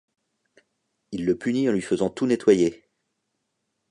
Il le punit en lui faisant tout nettoyer.